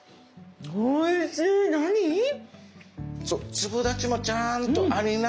粒立ちもちゃんとありながらも。